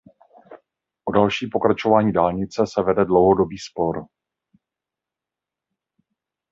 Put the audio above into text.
O další pokračování dálnice se vede dlouhodobý spor.